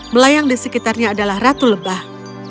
melayang di sekitarnya adalah ratu lebah